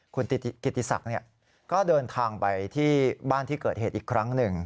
คุณกิติศักดิ์ก็เดินทางไปที่บ้านที่เกิดเหตุอีกครั้งหนึ่ง